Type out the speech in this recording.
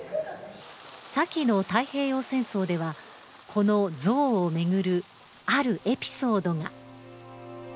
さきの太平洋戦争では、この象を巡るあるエピソードが。